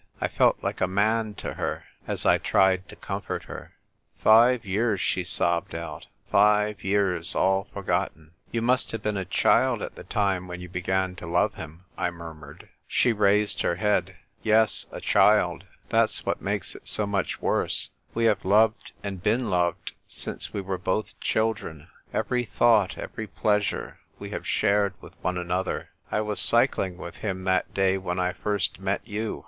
I felt like a man to her as I tried to comfort her. " Five years," she sobbed out :" five years — all forgotten !"" You must have been a child at the time when you began to love him," 1 murmured. "WHEREFORE ART THOU ROMEO?" 235 She raised her head. " Yes, a child. That's what makes it so much worse ! We have loved and been loved since we were both children. Every thought, ever3^ plea sure, we have shared with one another. I was cycling with him that day when I first met you.